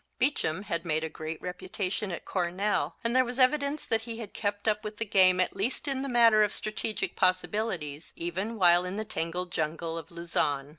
Beacham had made a great reputation at Cornell, and there was evidence that he had kept up with the game at least in the matter of strategic possibilities, even while in the tangled jungle of Luzon.